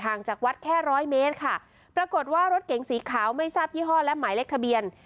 จากวัดแค่ร้อยเมตรค่ะปรากฏว่ารถเก๋งสีขาวไม่ทราบยี่ห้อและหมายเลขทะเบียน